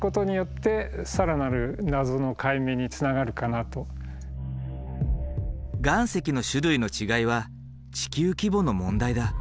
まず最初岩石の種類の違いは地球規模の問題だ。